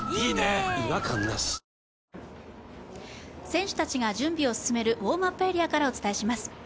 選手たちが準備を進めるウォームアップエリアからお伝えします。